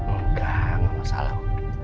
enggak gak masalah